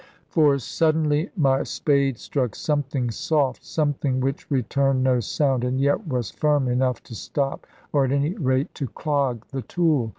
For suddenly my spade struck something soft, something which returned no sound, and yet was firm enough to stop, or at any rate to clog the tool.